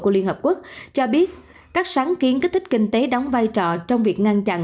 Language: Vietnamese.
của liên hợp quốc cho biết các sáng kiến kích thích kinh tế đóng vai trò trong việc ngăn chặn